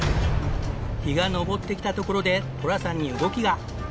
日が昇ってきたところで寅さんに動きが。